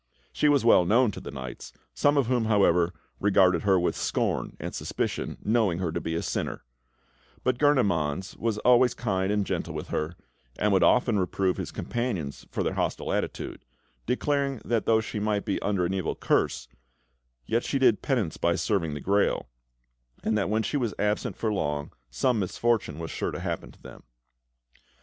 She was well known to the knights, some of whom, however, regarded her with scorn and suspicion, knowing her to be a sinner; but Gurnemanz was always kind and gentle with her, and would often reprove his companions for their hostile attitude, declaring that though she might be under an evil curse, yet she did penance by serving the Grail, and that when she was absent for long, some misfortune was sure to happen to them.